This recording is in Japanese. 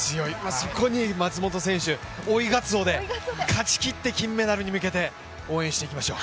そこに松元選手、追いガツオで勝ちきって、金メダル応援していきましょう。